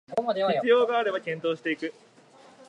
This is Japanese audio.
必要があれば検討していく